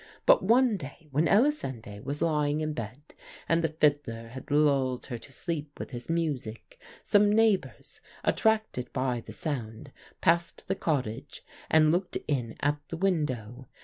But one day when Elisinde was lying in bed and the fiddler had lulled her to sleep with his music, some neighbours, attracted by the sound, passed the cottage and looked in at the window.